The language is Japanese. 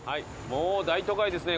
もう大都会ですね